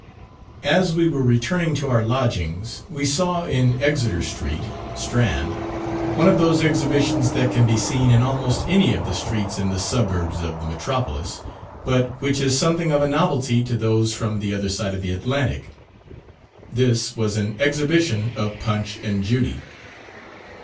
As we were returning to our lodgings, we saw in Exeter Street, Strand, one of those exhibitions that can be seen in almost any of the streets in the suburbs of the Metropolis, but which is something of a novelty to those from the other side of the Atlantic. This was an exhibition of "Punch and Judy."